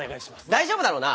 大丈夫だろうな？